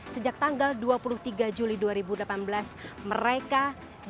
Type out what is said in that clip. sejak tanggal dua puluh tiga juli dua ribu delapan belas mereka